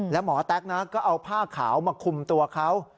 แล้วหมอแต๊กนะก็เอาผ้าขาวมาคุมตัวเขา